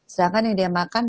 sedangkan yang dia makan